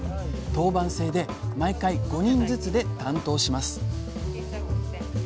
当番制で毎回５人ずつで担当します